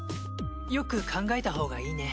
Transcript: よく考えたほうがいいね。